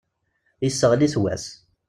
Yesseɣli-t wass.